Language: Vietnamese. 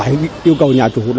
yêu cầu nhà chủ